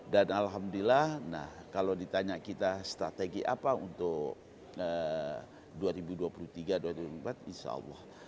dan alhamdulillah nah kalau ditanya kita strategi apa untuk dua ribu dua puluh tiga dua ribu dua puluh empat insya allah